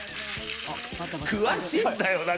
詳しいんだよな